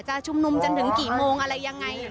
ชุมนุมจนถึงกี่โมงอะไรยังไง